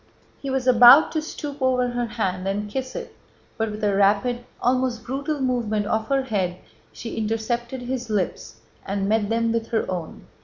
He was about to stoop over her hand and kiss it, but with a rapid, almost brutal movement of her head, she intercepted his lips and met them with her own.